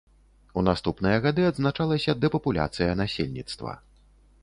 У наступныя гады адзначалася дэпапуляцыя насельніцтва.